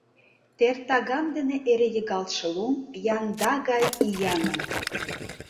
Тердаван дене эре йыгалтше лум янда гай ияҥын.